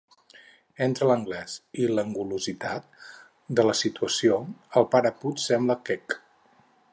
Entre l'anglès i l'angulositat de la situació, el pare Puig sembla quec.